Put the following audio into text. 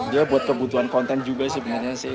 dia buat kebutuhan konten juga sebenarnya sih